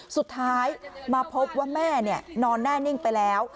สุดท้ายมาพบว่าแม่นอนแน่นิ่งไปแล้ว